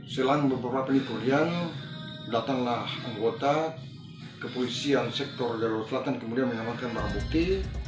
selain beberapa penipuan datanglah anggota kepolisian sektor jalur selatan kemudian menemankan para bukti